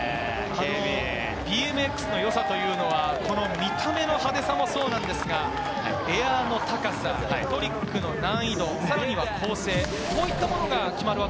ＢＭＸの良さというのは見た目の派手さもそうなんですが、エアの高さ、トリックの難易度、さらに構成、こういったものが